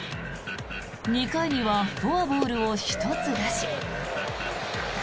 ２回にはフォアボールを１つ出し。